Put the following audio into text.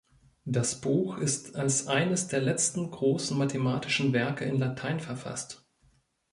Das Buch ist als eines der letzten großen mathematischen Werke in Latein verfasst.